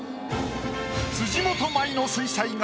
辻元舞の水彩画